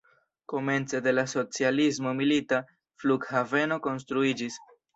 Komence de la socialismo milita flughaveno konstruiĝis.